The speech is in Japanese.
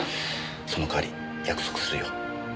そのかわり約束するよ。